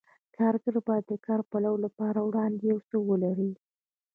کارګر باید د کار پلورلو لپاره له وړاندې یو څه ولري